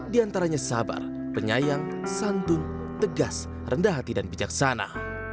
di antaranya sabar penyayang santun tegas rendah hati dan bijaksana